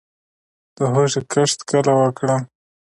د هوږې کښت کله وکړم؟